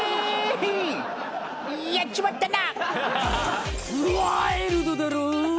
やっちまったな！